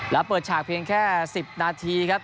แล้วเปิดฉากเพียงแค่๑๐นาทีครับ